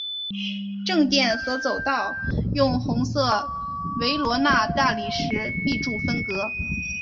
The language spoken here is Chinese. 正殿和走道用红色维罗纳大理石壁柱分隔。